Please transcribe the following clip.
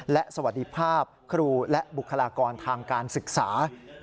และสวัสดีภาพครูและบุคลากรทางการศึกษา